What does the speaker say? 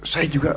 saya juga lihat